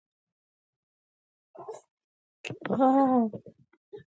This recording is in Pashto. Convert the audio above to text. داسې لکه د پیانو کیلۍ، ډېره نازکه او نرمه یې.